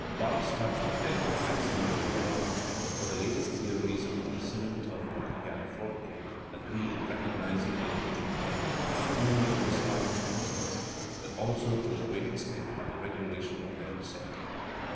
Bach's touch was therefore absolutely modern, for the latest theories upon the "singing tone" on the pianoforte agree in recognising it to depend not only on the striking of the keys, but also, to a great extent, on the regulation of their ascent.